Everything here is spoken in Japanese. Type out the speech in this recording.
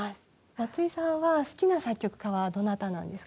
松井さんは好きな作曲家はどなたなんですか？